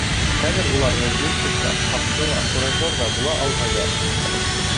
Хәҙер улар разведчик та, һаҡсы ла, фуражер ҙа була алмайҙар.